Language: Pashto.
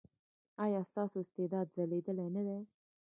ایا ستاسو استعداد ځلیدلی نه دی؟